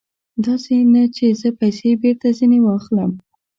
داسې نه چې زه پیسې بېرته ځنې واخلم.